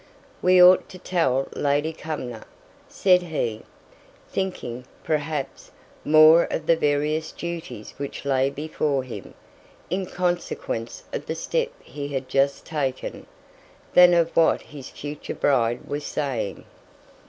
"We ought to tell Lady Cumnor," said he, thinking, perhaps, more of the various duties which lay before him in consequence of the step he had just taken, than of what his future bride was saying.